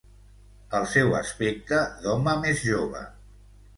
El seu aspecte d'home més jove.